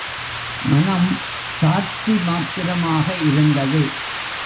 மனம் சாட்சி மாத்திரமாக இருந்தது.